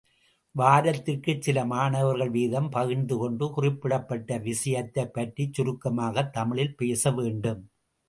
வாரத்திற்குச் சில மாணவர்கள் வீதம் பகிர்ந்துகொண்டு குறிப்பிடப்பட்ட விசயத்தைப்பற்றிச் சுருக்கமாகத் தமிழில் பேசவேண்டும்.